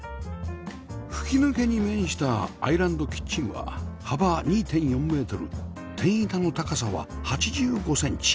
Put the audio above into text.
吹き抜けに面したアイランドキッチンは幅 ２．４ メートル天板の高さは８５センチ